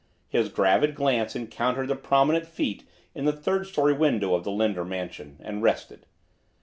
His gravid glance encountered the prominent feet in the third story window of the Linder mansion, and rested.